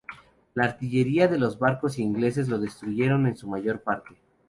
La artillería de los barcos ingleses lo destruyeron en su mayor parte.